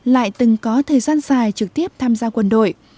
lại từng có thời gian dài trực tiếp tham gia quân đội